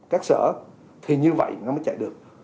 các sở thì như vậy nó mới chạy được